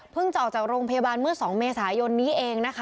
เพิ่งจอกจากโรงพยาบาลํ้สองเมษายนนี้เองนะคะ